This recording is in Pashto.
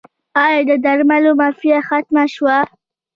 آیا د درملو مافیا ختمه شوه؟